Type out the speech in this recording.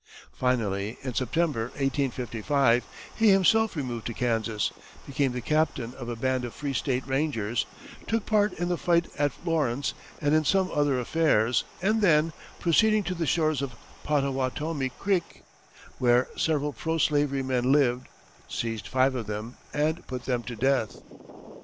Finally, in September, 1855, he himself removed to Kansas, became the captain of a band of Free State Rangers, took part in the fight at Lawrence, and in some other affairs, and then, proceeding to the shores of Pottawatomie creek, where several pro slavery men lived, seized five of them and put them to death.